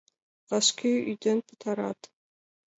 Вашке ӱден пытарат?